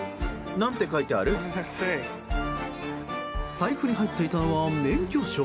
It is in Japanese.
財布に入っていたのは免許証。